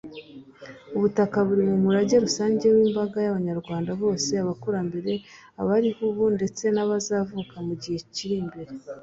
Ubutaka buri mu murage rusange w’imbaga y’Abanyarwanda bose: abakurambere, abariho ubu ndetse n’abazavuka mu gihe kiri imbere.